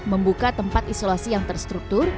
membuka tempat isolasi yang terstruktur